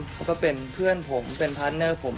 ก็เป็นเพื่อนผมเป็นพาร์ทเนอร์ผม